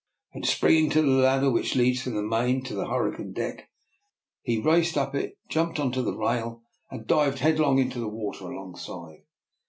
Then, springing on to the ladder which leads from the main to the hurricane deck, he raced up it, jumped on to the rail, and dived head long into the water alongside.